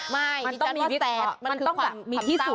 มันต้องมีวิทยาลัยมันต้องมีที่สุด